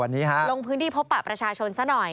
วันนี้ฮะลงพื้นที่พบปะประชาชนซะหน่อย